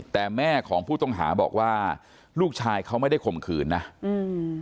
แต่แม่ของผู้ต้องหาบอกว่าลูกชายเขาไม่ได้ข่มขืนนะอืม